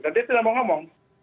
dan dia tidak mau ngomong